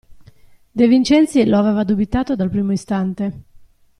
De Vincenzi lo aveva dubitato dal primo istante.